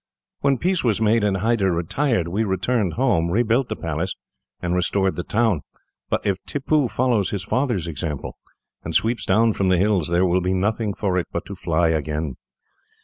"When peace was made and Hyder retired, we returned home, rebuilt the palace, and restored the town. But if Tippoo follows his father's example, and sweeps down from the hills, there will be nothing for it but to fly again.